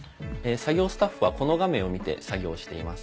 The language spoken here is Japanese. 作業スタッフはこの画面を見て作業をしています。